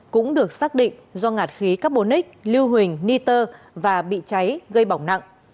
cũng được xác định do ngạt khí carbonic lưu huỳnh niter và bị cháy gây bỏng nặng